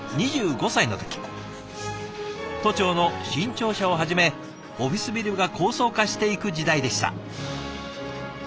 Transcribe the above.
都庁の新庁舎をはじめオフィスビルが高層化していく時代でした。